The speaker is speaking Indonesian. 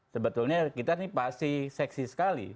sebetulnya kita ini pasti seksi sekali